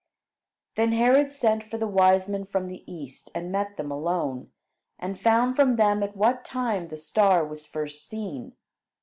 '" Then Herod sent for the wise men from the east, and met them alone, and found from them at what time the star was first seen.